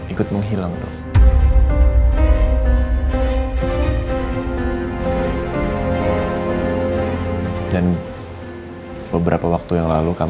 itu uangnya boleh kelar